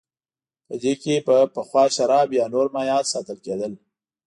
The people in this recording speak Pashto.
په دې کې به پخوا شراب یا نور مایعات ساتل کېدل